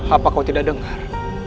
apa kau tidak dengar